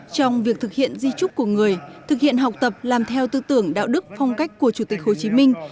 trong việc thực hiện di trúc của người thực hiện học tập làm theo tư tưởng đạo đức phong cách của chủ tịch hồ chí minh